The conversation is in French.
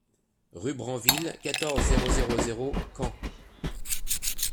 Rue Branville, quatorze, zéro zéro zéro Caen